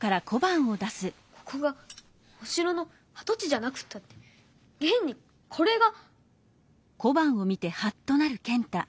ここがお城のあと地じゃなくったってげんにこれが。